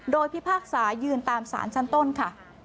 โดยพิพากษายืนตามสารชั้นต้นค่ะ